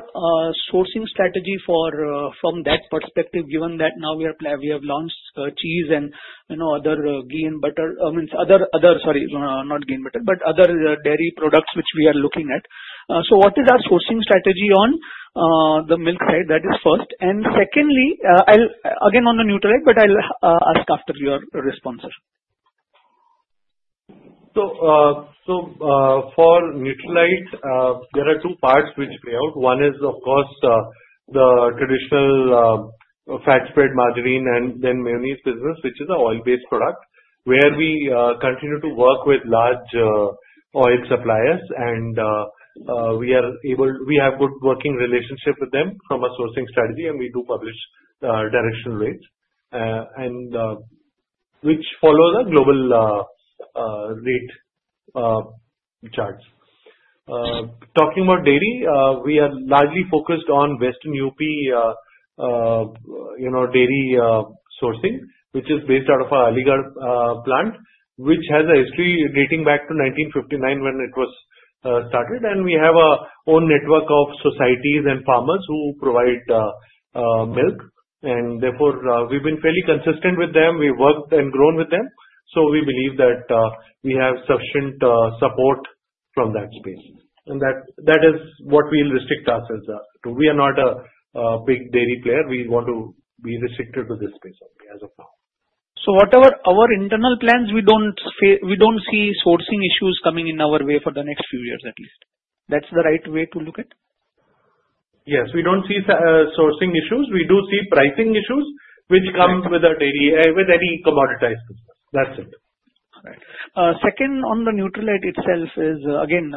sourcing strategy from that perspective, given that now we have launched cheese and other dairy products which we are looking at? What is our sourcing strategy on the milk? That is first. Secondly, I'll again on the Nutralite, but I'll ask after your responses. For Nutralite, there are two parts which play out. One is, of course, the traditional fat spread margarine and then mayonnaise business, which is an oil-based product where we continue to work with large oil suppliers. We have a good working relationship with them from a sourcing strategy, and we do publish directional rates, which follows a global lead chart. Talking about dairy, we are largely focused on Western UP dairy sourcing, which is based out of our Aligarh plant, which has a history dating back to 1959 when it was started. We have our own network of societies and farmers who provide milk. Therefore, we've been fairly consistent with them. We've worked and grown with them. We believe that we have sufficient support from that space. That is what we'll restrict ourselves to. We are not a big dairy player. We want to be restricted to this space. Whatever our internal plans, we don't see sourcing issues coming in our way for the next few years at least. That's the right way to look at it? Yes. We don't see sourcing issues. We do see pricing issues, which come with any commoditized product. That's it. All right. Second, on the Nutralite itself is, again,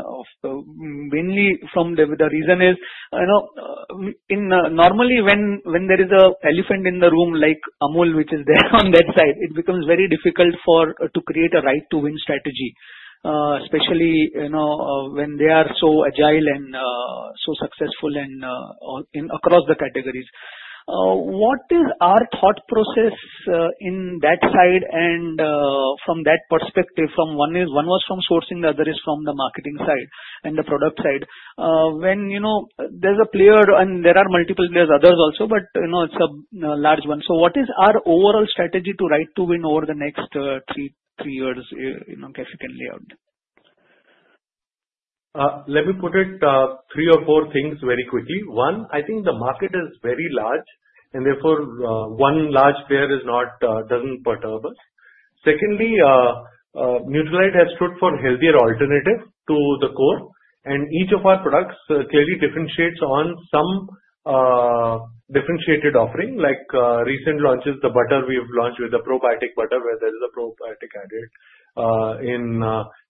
mainly from the reason is, you know, normally when there is an elephant in the room like Amul, which is there on that side, it becomes very difficult to create a right-to-win strategy, especially when they are so agile and so successful across the categories. What is our thought process in that side and from that perspective? One is one was from sourcing, the other is from the marketing side and the product side. When you know there's a player and there are multiple, there's others also, but you know it's a large one. What is our overall strategy to right to win over the next three years, you know [Kathy] can lay out? Let me put it three or four things very quickly. One, I think the market is very large, and therefore, one large player doesn't perturb us. Secondly, Nutralite has stood for a healthier alternative to the core. Each of our products clearly differentiates on some differentiated offering, like recent launches, the butter we've launched with the probiotic butter, where there is a probiotic added. In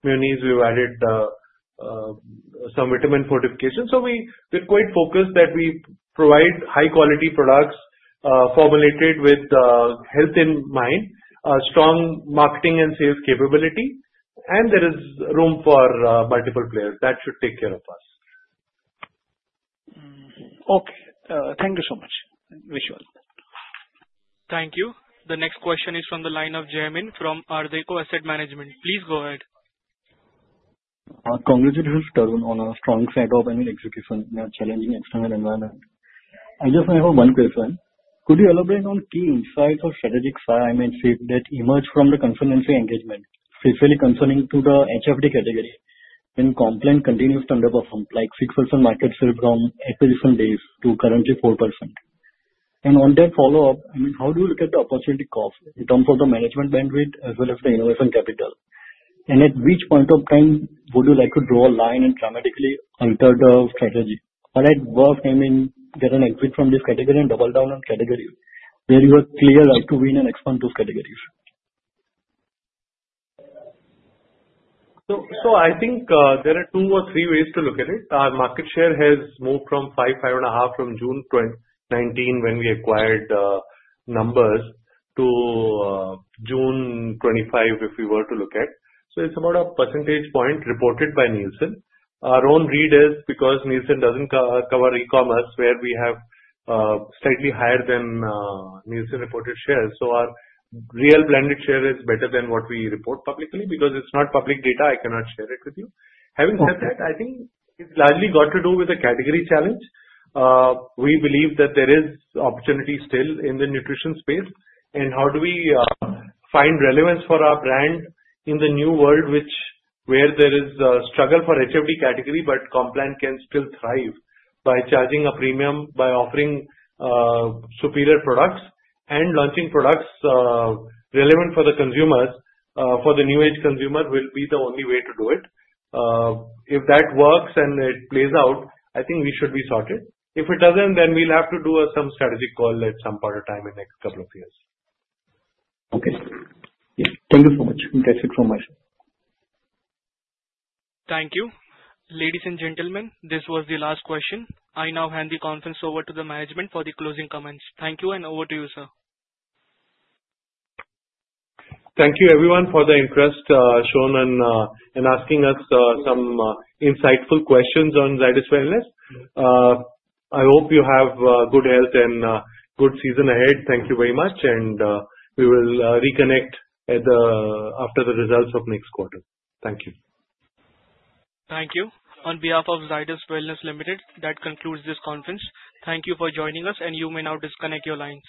mayonnaise, we've added some vitamin fortification. We're quite focused that we provide high-quality products formulated with health in mind, a strong marketing and sales capability. There is room for multiple players that should take care of us. Okay. Thank you so much. Wish you well. Thank you. The next question is from the line of Jeremyn from Arcedo Asset Management. Please go ahead. Congratulations, Tarun, on a strong setup and execution in a challenging external environment. I just have one question. Could you elaborate on teams, size, or strategic side I may say that emerged from the consultancy engagement specifically concerning the HFD category when Complan continues to underperform, like 6% market share from application days to currently 4%? On that follow-up, I mean, how do you look at the opportunity cost in terms of the management bandwidth as well as the innovation capital? At which point of time would you like to draw a line and dramatically alter the strategy? At worst, I mean, get an exit from this category and double down on categories where you are clear to win and expand those categories? I think there are two or three ways to look at it. Our market share has moved from 5.5 from June 2019 when we acquired the numbers to June 2025 if we were to look at it. It's about a percentage point reported by Nielsen. Our own read is because Nielsen doesn't cover e-commerce where we have slightly higher than Nielsen reported shares. Our real blended share is better than what we report publicly because it's not public data. I cannot share it with you. Having said that, I think it's largely got to do with the category challenge. We believe that there is opportunity still in the nutrition space. How do we find relevance for our brand in the new world where there is a struggle for the HFD category, but Complan can still thrive by charging a premium, by offering superior products, and launching products relevant for the consumers? For the new age consumer, it will be the only way to do it. If that works and it plays out, I think we should be sorted. If it doesn't, then we'll have to do some strategic call at some point of time in the next couple of years. Thank you so much. Thank you. you. Ladies and gentlemen, this was the last question. I now hand the conference over to the management for the closing comments. Thank you and over to you, sir. Thank you, everyone, for the interest shown and asking us some insightful questions on Zydus Wellness. I hope you have good health and a good season ahead. Thank you very much, and we will reconnect after the results of next quarter. Thank you. Thank you. On behalf of Zydus Wellness Limited, that concludes this conference. Thank you for joining us, and you may now disconnect your lines.